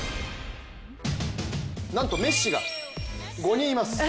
なんと、メッシが５人います。